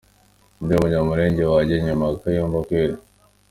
Ninde Munyamulenge wajya inyuma ya Kayumba kweli?!!!